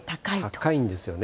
高いんですよね。